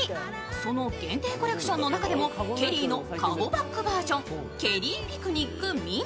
その限定コレクションの中でもケリーのかごバッグバージョンケリーピクニックミニ。